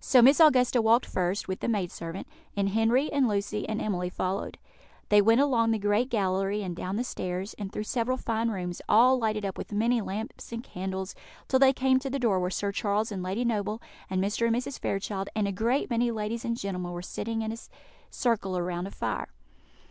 So Miss Augusta walked first, with the maid servant, and Henry, and Lucy, and Emily followed. They went along the great gallery, and down the stairs, and through several fine rooms, all lighted up with many lamps and candles, till they came to the door where Sir Charles and Lady Noble, and Mr. and Mrs. Fairchild, and a great many ladies and gentlemen were sitting in a circle round a fire.